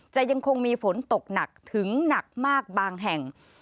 ยังคงมีฝนตกหนักถึงหนักมากบางแห่ง